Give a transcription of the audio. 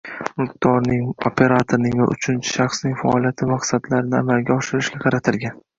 Mulkdorning, operatorning va uchinchi shaxsning faoliyati maqsadlarini amalga oshirishga qaratilgan